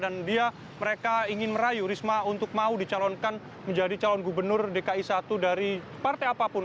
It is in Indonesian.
dan dia mereka ingin merayu risma untuk mau dicalonkan menjadi calon gubernur dki satu dari partai apapun